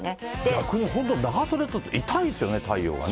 逆に本当、長袖、痛いですよね、太陽がね。